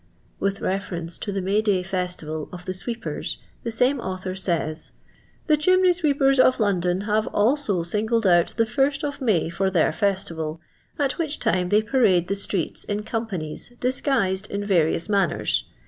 With reference to the May day festival of the sweepers the same author says :—*' The chimney sweepers of Lond(m have also singled out the iirst of May for their festival, at which time they parade the striM^ts in comjvanies, disguised in various manners.